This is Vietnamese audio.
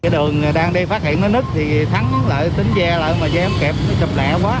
đường đang đi phát hiện nó nứt thì thắng lợi tính ve lợi mà ve không kẹp nó chập lẹ quá